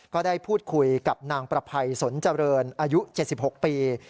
ก็ได้พูดคุยกับนางประภัยสนเจริญอายุ๗๖ปี